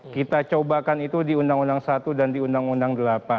kita cobakan itu di undang undang satu dan di undang undang delapan